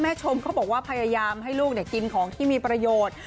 ชมเขาบอกว่าพยายามให้ลูกกินของที่มีประโยชน์